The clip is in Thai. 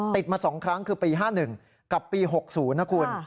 ติดมา๒ครั้งคือปี๕๑กับปี๖๐นะครับคุณ